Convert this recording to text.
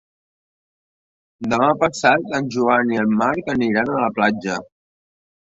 Demà passat en Joan i en Marc aniran a la platja.